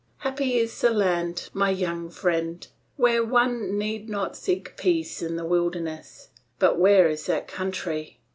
Happy is the land, my young friend, where one need not seek peace in the wilderness! But where is that country?